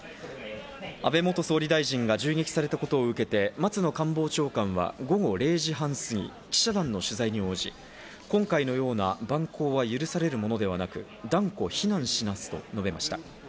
安倍元総理大臣が銃撃されたことを受けて、松野官房長官は午後０時半すぎ記者団の取材に応じ、今回のような蛮行は許されるものではなく、断固非難しますと述べました。